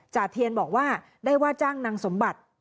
เทียนบอกว่าได้ว่าจ้างนางสมบัติ